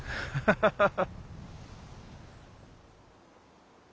ハハハハ。